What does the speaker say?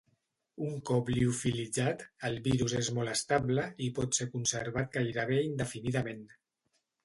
Un cop liofilitzat, el virus és molt estable, i pot ser conservat gairebé indefinidament.